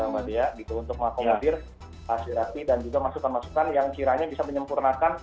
mbak dea gitu untuk mengakomodir hasil rapi dan juga masukan masukan yang kiranya bisa menyempurnakan